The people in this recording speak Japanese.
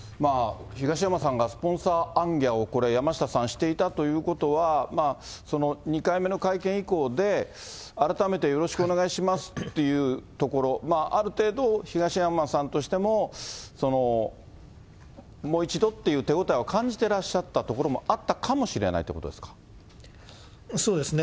東山さんがスポンサー行脚を、これ、山下さん、していたということは、２回目の会見以降で、改めてよろしくお願いしますっていうところ、ある程度、東山さんとしても、もう一度っていう手ごたえを感じてらっしゃったところもあったかそうですね。